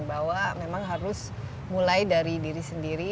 bahwa memang harus mulai dari diri sendiri